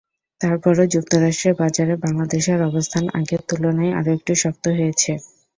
তারপরও যুক্তরাষ্ট্রের বাজারে বাংলাদেশের অবস্থান আগের তুলনায় আরও একটু শক্ত হয়েছে।